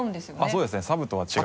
そうですねサブとは違う。